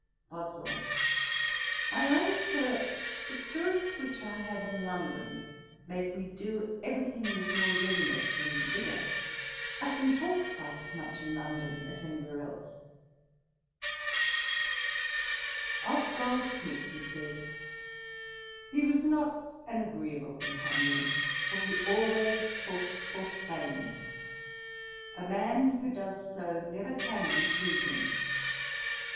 BOSWELL. 'I own, Sir, the spirits which I have in London make me do every thing with more readiness and vigour. I can talk twice as much in London as any where else.' Of Goldsmith he said, 'He was not an agreeable companion, for he talked always for fame. A man who does so never can be pleasing.